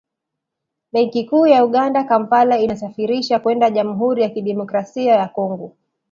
Benki Kuu ya Uganda Kampala inasafirisha kwenda jamhuri ya kidemokrasia ya Kongo